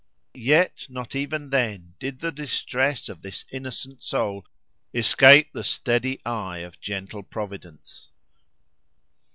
Yet not even then did the distress of this innocent soul escape the steady eye of a gentle providence.